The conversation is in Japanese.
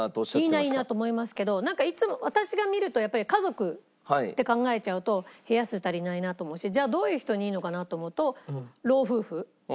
いいないいなと思いますけどなんかいつも私が見るとやっぱり家族って考えちゃうと部屋数足りないなと思うしじゃあどういう人にいいのかなと思うと老夫婦？